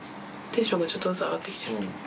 テンションがちょっとずつ上がってきてる。